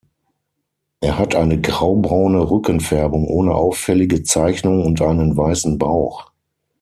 Er hat eine grau-braune Rückenfärbung ohne auffällige Zeichnung und einen weißen Bauch.